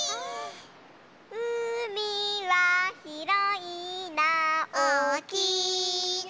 「うみはひろいな」